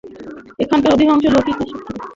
এখানকার অধিকাংশ লোকই কৃষিজীবী।